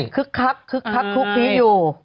ขึกคลักขึกคักครู้ครี้กอยู่